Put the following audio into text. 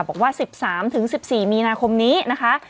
บอกว่า๑๓๑๔มีนาคมนี้นะคะ